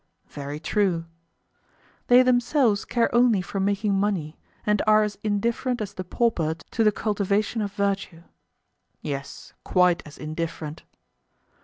Very true. They themselves care only for making money, and are as indifferent as the pauper to the cultivation of virtue. Yes, quite as indifferent.